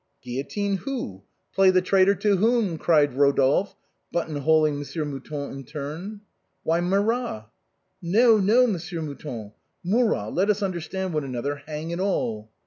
" Guillotine who ? Play the traitor to whom ?" cried Eodolphe, button holing Monsieur Mouton in turn. "Why, Marat." " No, no, Monsieur Mouton. Murat, let us understand one another, hang it all